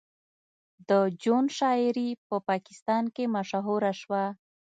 د جون شاعري په پاکستان کې مشهوره شوه